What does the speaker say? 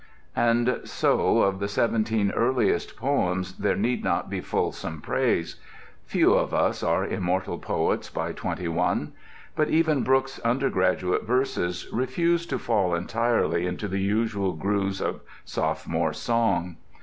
And so of the seventeen earliest poems there need not be fulsome praise. Few of us are immortal poets by twenty one. But even Brooke's undergraduate verses refused to fall entirely into the usual grooves of sophomore song.